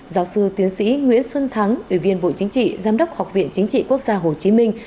giáo sư tiến sĩ nguyễn xuân thắng ủy viên bộ chính trị giám đốc học viện chính trị quốc gia hồ chí minh